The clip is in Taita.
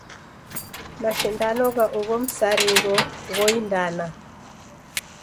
Mashindano gha ugho msarigho ghoindana.